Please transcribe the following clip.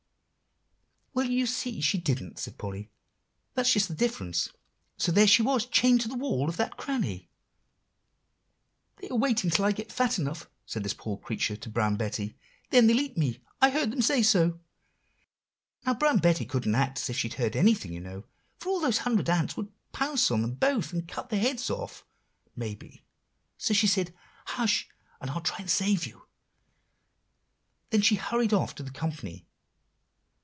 "Well, you see she didn't," said Polly, "that's just the difference; so there she was chained to the wall of that cranny. "'They're waiting till I get fat enough,' said this poor creature to Brown Betty, 'then they'll eat me; I heard them say so.' "Now, Brown Betty couldn't act as if she heard anything you know, for all those hundred ants would pounce on them both, and cut their heads off, maybe; so she said, 'Hush, and I'll try to save you;' then she hurried off to the company.